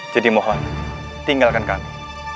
jadi mohon tinggalkan kami